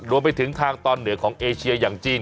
รวมไปถึงทางตอนเหนือของเอเชียอย่างจีน